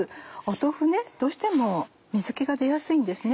豆腐どうしても水気が出やすいんですね。